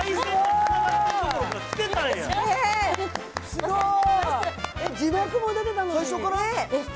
すごい！